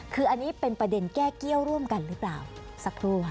คืออันนี้เป็นประเด็นแก้เกี้ยวร่วมกันหรือเปล่าสักครู่ค่ะ